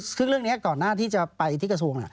ซึ่งเรื่องนี้ก่อนหน้าที่จะไปที่กระทรวง